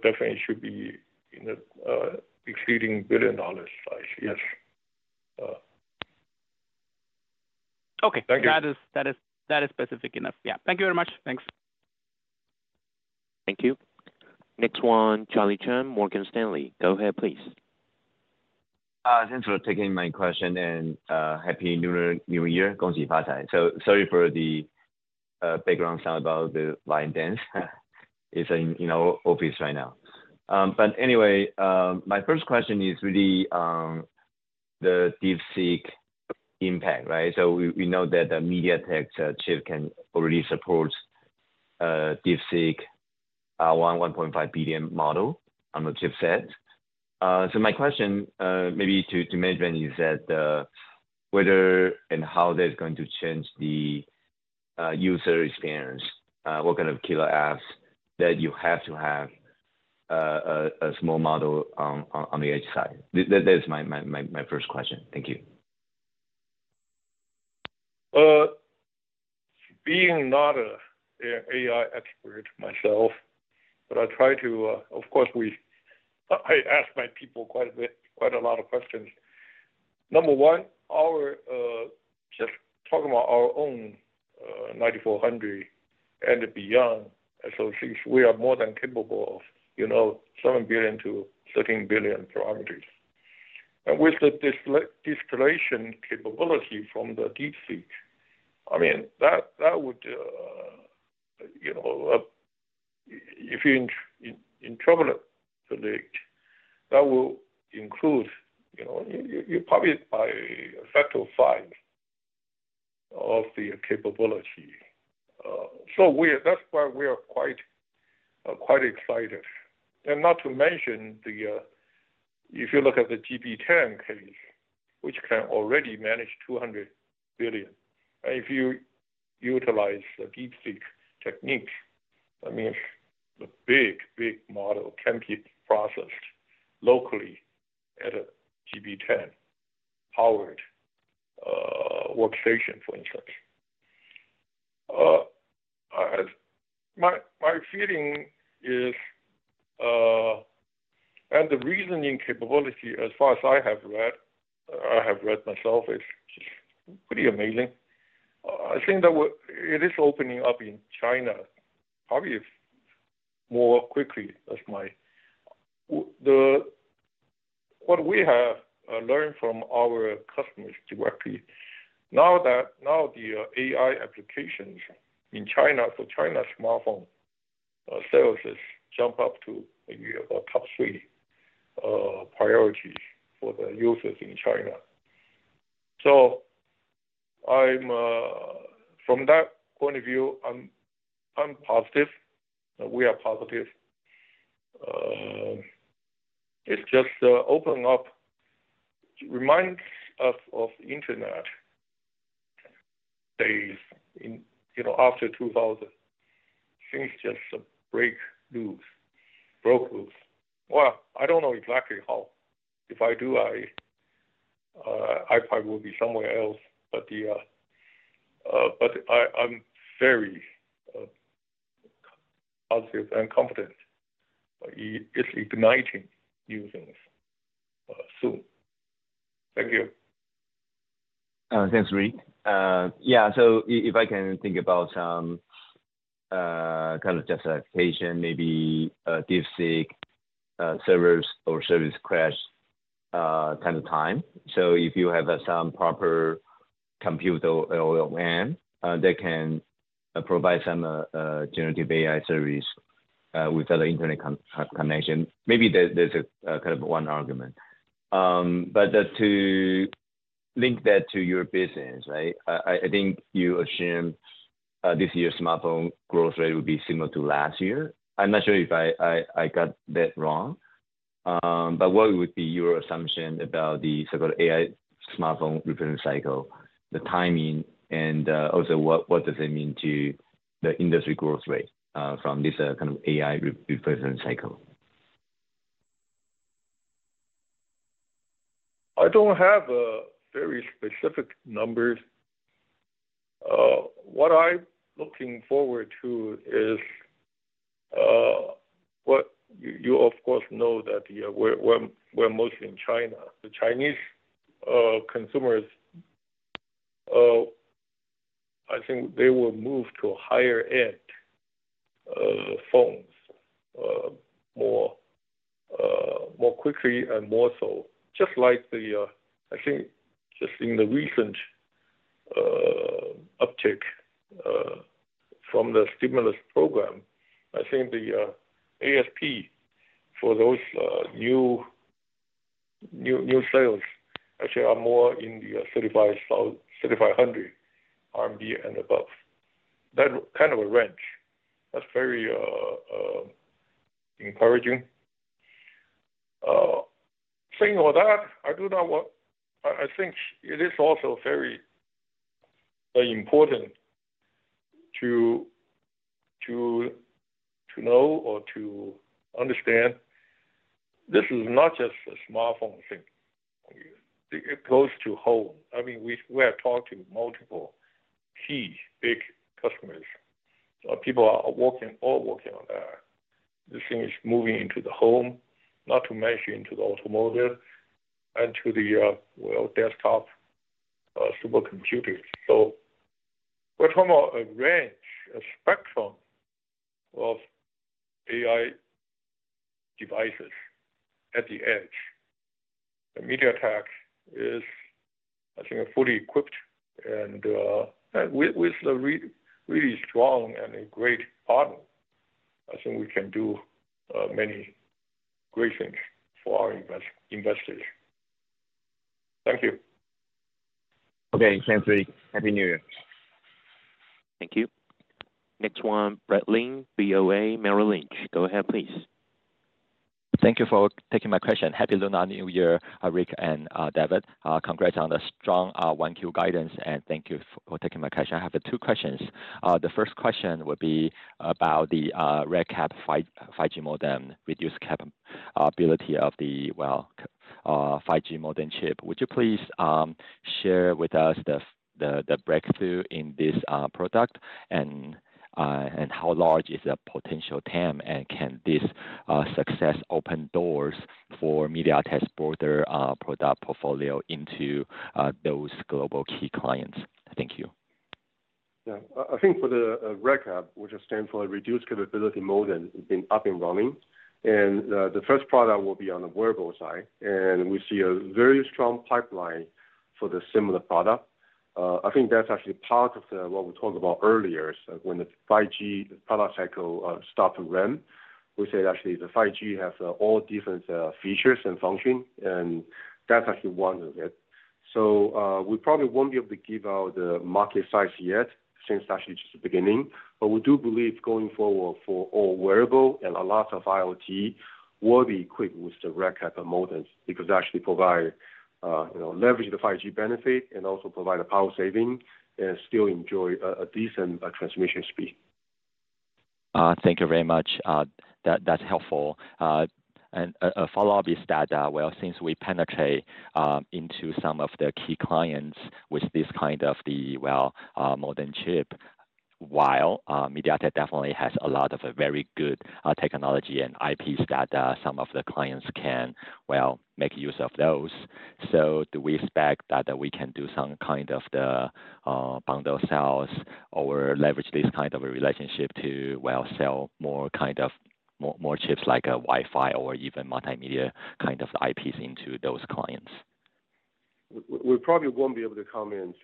definitely should be in the exceeding billion-dollar size. Yes. Okay. That is specific enough. Yeah. Thank you very much. Thanks. Thank you. Next one, Charlie Chan, Morgan Stanley. Go ahead, please. Thanks for taking my question and happy New Year. Gong Xi Fa Cai. So sorry for the background sound about the line dance. It's in our office right now. But anyway, my first question is really the DeepSeek impact, right? So we know that the MediaTek chip can already support DeepSeek R1 1.5 billion model on the chipset. So my question maybe to management is that whether and how that's going to change the user experience, what kind of killer apps that you have to have a small model on the edge side. That is my first question. Thank you. Being not an AI expert myself, but I try to, of course, I ask my people quite a lot of questions. Number one, just talking about our own 9400 and beyond, so we are more than capable of 7 billion-13 billion parameters. And with the distillation capability from the DeepSeek, I mean, that would, if you're up to date, that will include you're probably by a factor of five of the capability. So that's why we are quite excited. And not to mention, if you look at the GB10 case, which can already manage 200 billion. And if you utilize the DeepSeek technique, that means the big, big model can be processed locally at a GB10-powered workstation, for instance. My feeling is, and the reasoning capability, as far as I have read it myself, is pretty amazing. I think that it is opening up in China probably more quickly than what we have learned from our customers directly. Now that the AI applications in China for China's smartphone sales has jumped up to maybe about top three priorities for the users in China. So from that point of view, I'm positive. We are positive. It's just opened up, reminds us of internet days after 2000. Seems just broke loose. Well, I don't know exactly how. If I do, I probably will be somewhere else, but I'm very positive and confident it's igniting users soon. Thank you. Thanks, Rick. Yeah. So if I can think about some kind of justification, maybe DeepSeek servers or service crash kind of time. So if you have some proper computer LLM, they can provide some generative AI service without an internet connection. Maybe there's kind of one argument. But to link that to your business, right? I think you assume this year's smartphone growth rate will be similar to last year. I'm not sure if I got that wrong. But what would be your assumption about the AI smartphone revision cycle, the timing, and also what does it mean to the industry growth rate from this kind of AI revision cycle? I don't have very specific numbers. What I'm looking forward to is, but you, of course, know that we're mostly in China. The Chinese consumers, I think they will move to higher-end phones more quickly and more so. Just like the, I think, just in the recent uptick from the stimulus program, I think the ASP for those new sales actually are more in the 3,500 RMB and above. That kind of a range. That's very encouraging. Saying all that, I do not want. I think it is also very important to know or to understand. This is not just a smartphone thing. It goes to home. I mean, we have talked to multiple key big customers. People are all working on that. This thing is moving into the home, not to mention into the automotive and to the desktop supercomputers. So we're talking about a range, a spectrum of AI devices at the edge. MediaTek is, I think, fully equipped, and with a really strong and a great partner, I think we can do many great things for our investors. Thank you. Okay. Thanks, Rick. Happy New Year. Thank you. Next one, Brad Lin, BOA, Merrill Lynch. Go ahead, please. Thank you for taking my question. Happy Lunar New Year, Rick and David. Congrats on the strong 1Q guidance, and thank you for taking my question. I have two questions. The first question would be about the RedCap 5G modem, reduced capability of the 5G modem chip. Would you please share with us the breakthrough in this product and how large is the potential TAM, and can this success open doors for MediaTek's broader product portfolio into those global key clients? Thank you. Yeah. I think for the RedCap, which stands for Reduced Capability modem, it's been up and running. And the first product will be on the wearable side. And we see a very strong pipeline for the similar product. I think that's actually part of what we talked about earlier. When the 5G product cycle stopped to run, we said actually the 5G has all different features and functions, and that's actually one of it. So we probably won't be able to give out the market size yet since actually just the beginning. But we do believe going forward for all wearable and a lot of IoT will be equipped with the RedCap modems because they actually provide leverage the 5G benefit and also provide a power saving and still enjoy a decent transmission speed. Thank you very much. That's helpful. And a follow-up is that, well, since we penetrate into some of the key clients with this kind of the, well, modem chip, while MediaTek definitely has a lot of very good technology and IPs that some of the clients can, well, make use of those. So do we expect that we can do some kind of the bundle sales or leverage this kind of a relationship to, well, sell more kind of chips like Wi-Fi or even multimedia kind of IPs into those clients? We probably won't be able to comment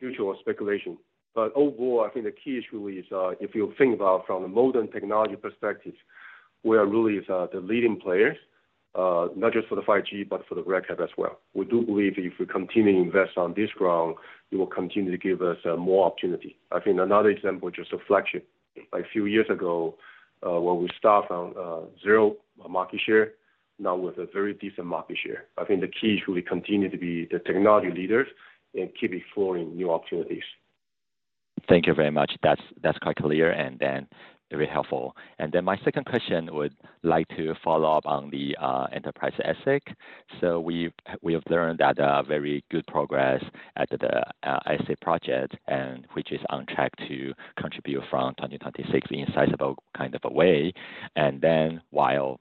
due to our speculation. But overall, I think the key is really if you think about from the modem technology perspective, we are really the leading players, not just for the 5G, but for the RedCap as well. We do believe if we continue to invest on this ground, it will continue to give us more opportunity. I think another example is just a flagship. A few years ago, when we start from zero market share, now with a very decent market share. I think the key is really continue to be the technology leaders and keep exploring new opportunities. Thank you very much. That's quite clear and then very helpful. And then my second question would like to follow up on the enterprise ASIC. So we have learned that very good progress at the ASIC project, which is on track to contribute from 2026 in sizable kind of a way. And then while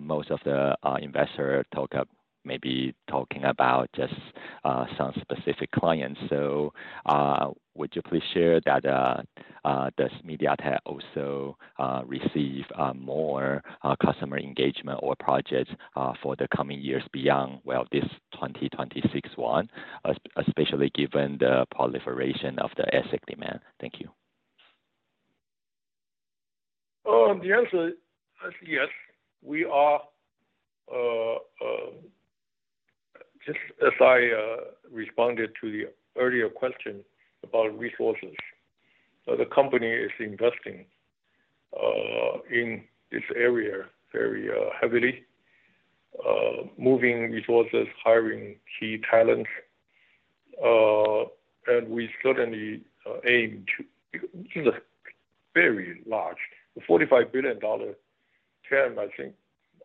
most of the investors may be talking about just some specific clients, so would you please share that this MediaTek also receive more customer engagement or projects for the coming years beyond, well, this 2026 one, especially given the proliferation of the ASIC demand? Thank you. The answer is yes. We are, just as I responded to the earlier question about resources. The company is investing in this area very heavily, moving resources, hiring key talents. And we certainly aim to—this is a very large $45 billion TAM. I think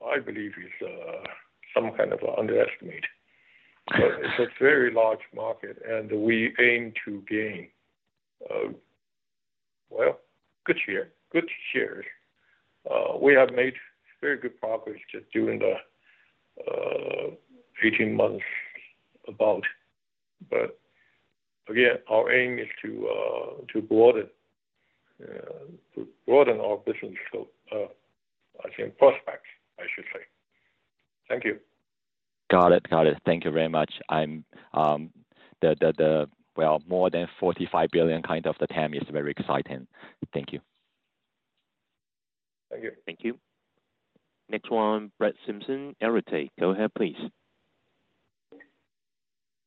I believe is some kind of an underestimate. It's a very large market, and we aim to gain, well, good shares. We have made very good progress just during the 18 months about. But again, our aim is to broaden our business scope, I think, prospects, I should say. Thank you. Got it. Got it. Thank you very much. The, well, more than $45 billion kind of the TAM is very exciting. Thank you. Thank you. Thank you. Next one, Brett Simpson, Arete. Go ahead, please.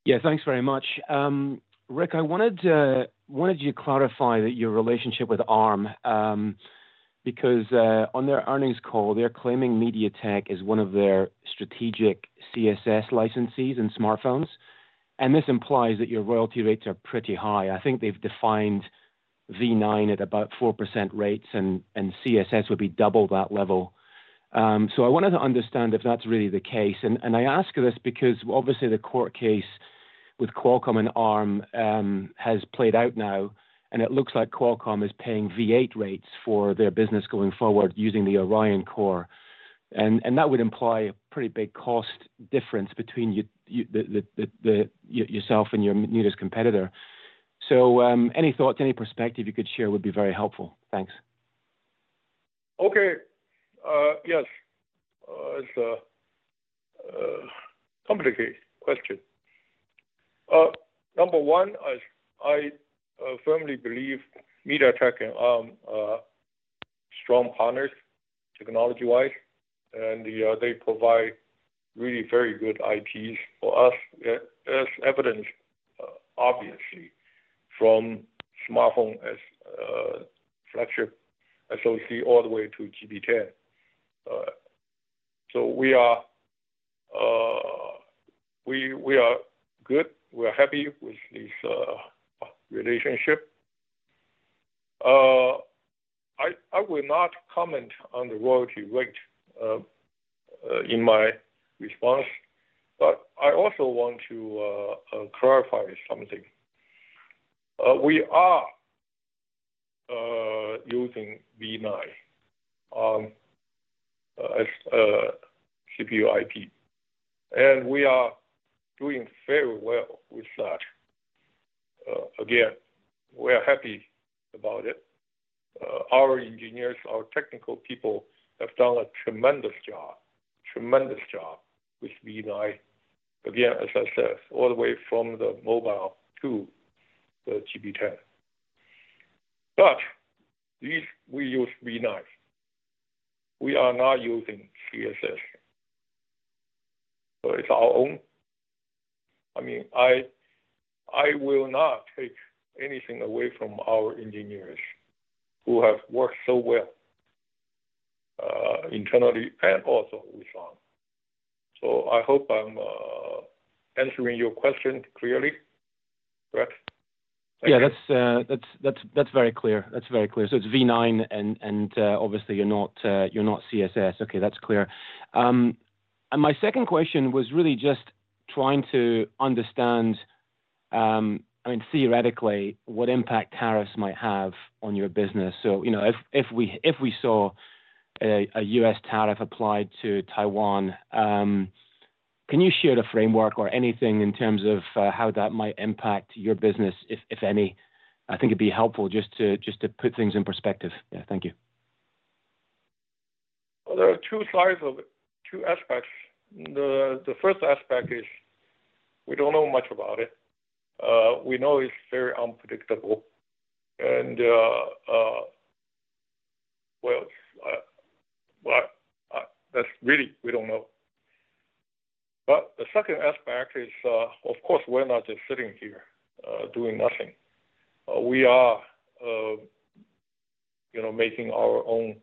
Yeah. Thanks very much. Rick, I wanted you to clarify your relationship with Arm because on their earnings call, they're claiming MediaTek is one of their strategic CSS licensees and smartphones. And this implies that your royalty rates are pretty high. I think they've defined V9 at about 4% rates, and CSS would be double that level. So I wanted to understand if that's really the case. I ask this because, obviously, the court case with Qualcomm and Arm has played out now, and it looks like Qualcomm is paying V8 rates for their business going forward using the Oryon Core. That would imply a pretty big cost difference between yourself and your nearest competitor. So any thoughts, any perspective you could share would be very helpful. Thanks. Okay. Yes. It's a complicated question. Number one, I firmly believe MediaTek and Arm are strong partners technology-wise, and they provide really very good IPs for us. There's evidence, obviously, from smartphone as flagship SoC all the way to GB10. So we are good. We are happy with this relationship. I will not comment on the royalty rate in my response, but I also want to clarify something. We are using V9 as CPU IP, and we are doing very well with that. Again, we are happy about it. Our engineers, our technical people have done a tremendous job, tremendous job with V9. Again, as I said, all the way from the mobile to the GB10. But we use V9. We are not using CSS. So it's our own. I mean, I will not take anything away from our engineers who have worked so well internally and also with Arm. So I hope I'm answering your question clearly, right? Yeah. That's very clear. That's very clear. So it's V9, and obviously, you're not CSS. Okay. That's clear. And my second question was really just trying to understand, I mean, theoretically, what impact tariffs might have on your business. So if we saw a U.S. tariff applied to Taiwan, can you share the framework or anything in terms of how that might impact your business, if any? I think it'd be helpful just to put things in perspective. Yeah. Thank you. There are two sides of it, two aspects. The first aspect is we don't know much about it. We know it's very unpredictable. And well, that's really we don't know. But the second aspect is, of course, we're not just sitting here doing nothing. We are making our own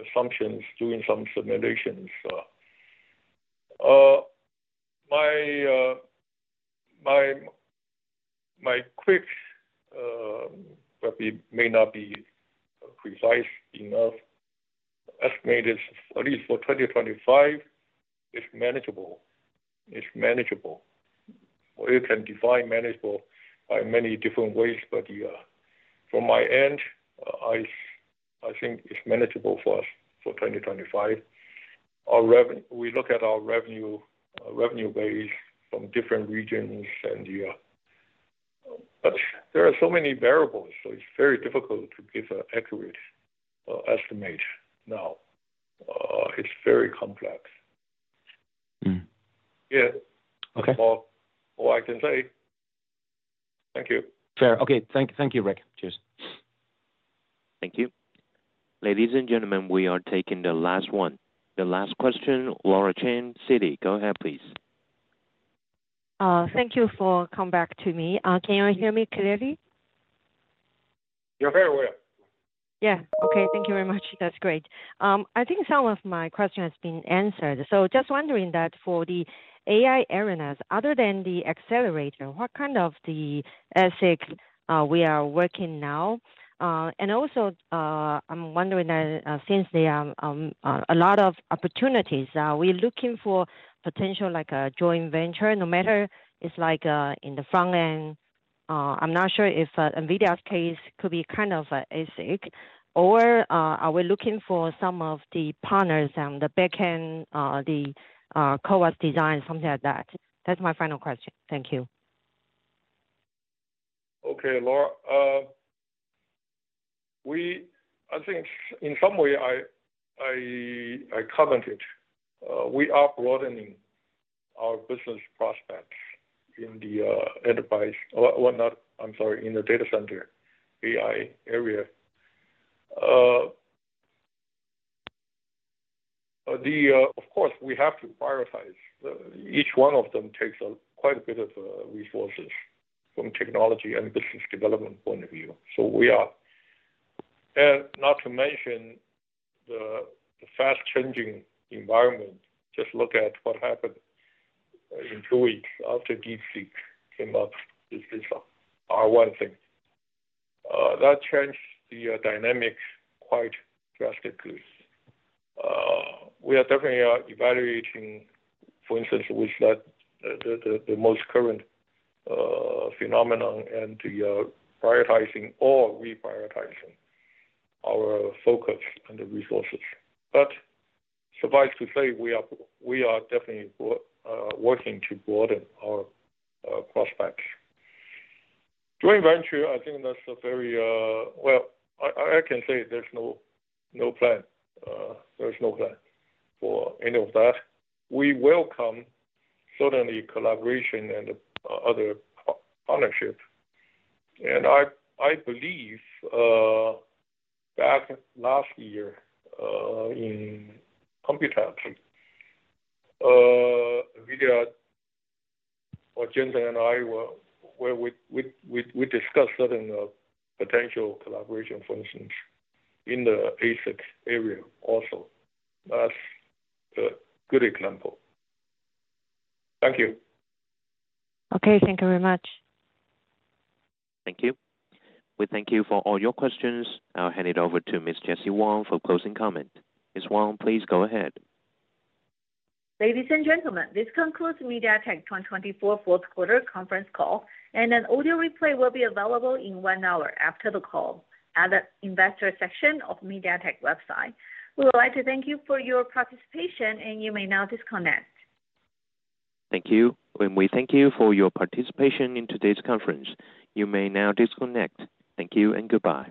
assumptions, doing some simulations. My quick estimate may not be precise enough. It is at least for 2025; it's manageable. It's manageable. We can define manageable by many different ways, but from my end, I think it's manageable for us for 2025. We look at our revenue base from different regions, and there are so many variables, so it's very difficult to give an accurate estimate now. It's very complex. Yeah. That's all I can say. Thank you. Fair. Okay. Thank you, Rick. Cheers. Thank you. Ladies and gentlemen, we are taking the last one. The last question, Laura Chen, Citi, go ahead, please. Thank you for coming back to me. Can you hear me clearly? Yes, very well. Yeah. Okay. Thank you very much. That's great. I think some of my questions have been answered. So just wondering that for the AI areas, other than the accelerator, what kind of the ASIC we are working now? And also, I'm wondering that since there are a lot of opportunities, are we looking for potential joint venture, no matter it's in the front end? I'm not sure if NVIDIA's case could be kind of ASIC, or are we looking for some of the partners and the backend, the co-design, something like that? That's my final question. Thank you. Okay. Laura, I think in some way, I commented. We are broadening our business prospects in the enterprise or not, I'm sorry, in the data center AI area. Of course, we have to prioritize. Each one of them takes quite a bit of resources from technology and business development point of view. So we are, and not to mention the fast-changing environment. Just look at what happened in two weeks after DeepSeek came up. This is our one thing. That changed the dynamic quite drastically. We are definitely evaluating, for instance, with the most current phenomenon and prioritizing or reprioritizing our focus and the resources. But suffice to say, we are definitely working to broaden our prospects. Joint venture, I think that's a very, well, I can say there's no plan. There's no plan for any of that. We welcome certainly collaboration and other partnerships. And I believe back last year in Computex, NVIDIA or Jensen and I were, we discussed certain potential collaboration, for instance, in the ASIC area also. That's a good example. Thank you. Okay. Thank you very much. Thank you. We thank you for all your questions. I'll hand it over to Ms. Jessie Wang for closing comment. Ms. Wang, please go ahead. Ladies and gentlemen, this concludes MediaTek 2024 fourth quarter conference call. And an audio replay will be available in one hour after the call at the investor section of MediaTek website. We would like to thank you for your participation, and you may now disconnect. Thank you. We thank you for your participation in today's conference. You may now disconnect. Thank you and goodbye.